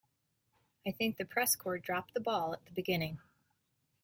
I think the press corps dropped the ball at the beginning.